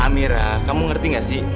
amira kamu ngerti gak sih